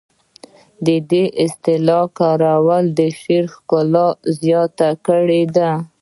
د دې اصطلاح کارول د شعر ښکلا زیاته کړې ده